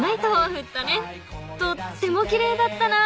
［とってもきれいだったな］